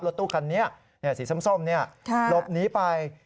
รถตู้คันนี้สีส้มส้มเนี่ยหลบหนีไป